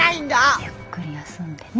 ゆっくり休んでね。